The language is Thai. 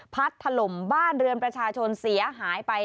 ถล่มบ้านเรือนประชาชนเสียหายไป